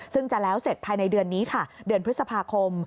ซึ่งจะแล้วเสร็จภายในเดือนนี้ค่ะเดือนพฤษภาคม